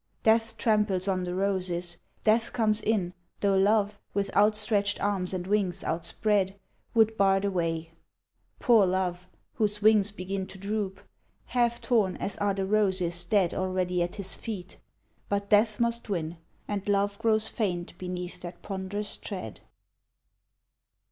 Death tramples on the roses; Death comes in, Though Love, with outstretched arms and wings outspread, Would bar the way poor Love, whose wings begin To droop, half torn as are the roses dead Already at his feet but Death must win, And Love grows faint beneath that ponderous tread!